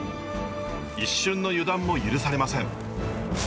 一瞬の油断も許されません。